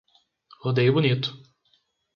Rodeio Bonito